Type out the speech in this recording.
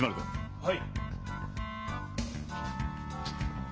はい。